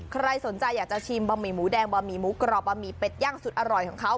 ใครสนใจอยากจะชิมบะหมี่หมูแดงบะหมี่หมูกรอบบะหมี่เป็ดย่างสุดอร่อยของเขา